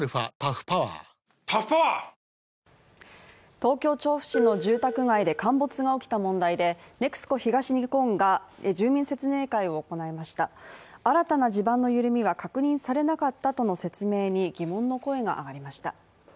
東京・調布市の住宅街で陥没が起きた問題で、ＮＥＸＣＯ東日本が住民説明会を行いました新たな地盤の緩みは確認されなかったとの説明に疑問の声が上がりました。